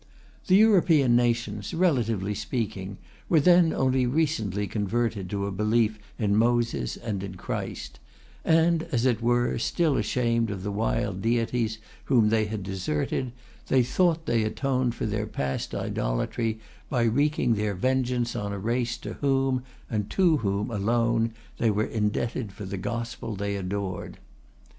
The European nations, relatively speaking, were then only recently converted to a belief in Moses and in Christ; and, as it were, still ashamed of the wild deities whom they had deserted, they thought they atoned for their past idolatry by wreaking their vengeance on a race to whom, and to whom alone, they were indebted for the Gospel they adored.